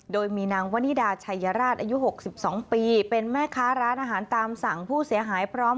โดยมีนางวนิดาชัยราชอายุ๖๒ปีเป็นแม่ค้าร้านอาหารตามสั่งผู้เสียหายพร้อม